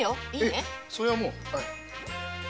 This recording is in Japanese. ヘィそれはもう。